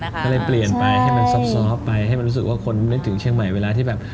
ก็เลยเปลี่ยนไปให้มันซอบไปให้มันรู้สึกว่าคนนึกถึงเชียงใหม่เวลาที่แบบ